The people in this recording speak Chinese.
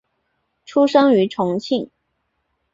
出生于重庆。